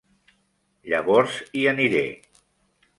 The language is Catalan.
Llavors hi aniré.